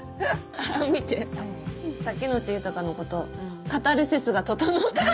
見て竹野内豊のこと「カタルシスが整ってる！」。